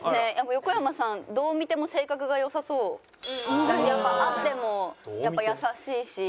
横山さんどう見ても性格が良さそうだし会ってもやっぱ優しいし。